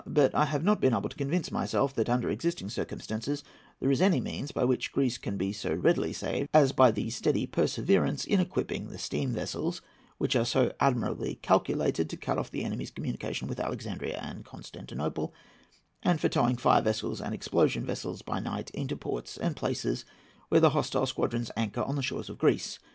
But I have not been able to convince myself that, under existing circumstances, there is any means by which Greece can be so readily saved as by steady perseverance in equipping the steam vessels, which are so admirably calculated to cut off the enemies' communication with Alexandria and Constantinople, and for towing fire vessels and explosion vessels by night into ports and places where the hostile squadrons anchor on the shores of Greece.